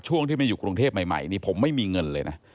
ช่วงที่มาอยู่กรุงเทพใหม่นี่ผมไม่มีเงินเลยนะ